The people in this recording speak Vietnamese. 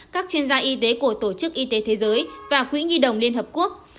các chuyên gia y tế của tổ chức y tế thế giới và quỹ nhi đồng liên hợp quốc